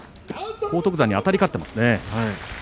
荒篤山にあたり勝っていますね。